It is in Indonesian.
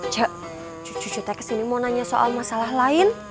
cucu cucu teh ke sini mau nanya soal masalah lain